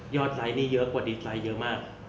ยอดไลค์นี้เยอะกว่าดิสไลค์เยอะมาก